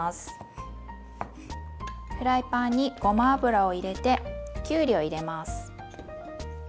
フライパンにごま油を入れてきゅうりを入れます。